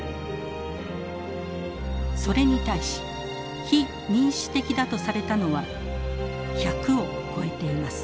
それに対し非民主的だとされたのは１００を超えています。